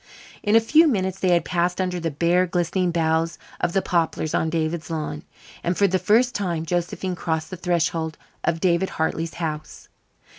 In a few minutes they had passed under the bare, glistening boughs of the poplars on David's lawn, and for the first time Josephine crossed the threshold of David Hartley's house.